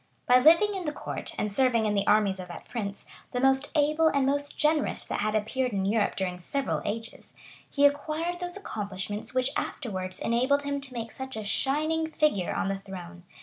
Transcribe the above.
By living in the court, and serving in the armies of that prince, the most able and most generous that had appeared in Europe during several ages, he acquired those accomplishments which afterwards enabled him to make such a shining figure on the throne.